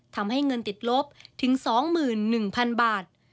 ทำให้เงินติดลบถึง๒๑๐๐๐บาท